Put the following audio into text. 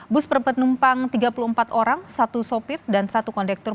bus berpenumpang tiga puluh empat orang satu sopir dan satu kondektur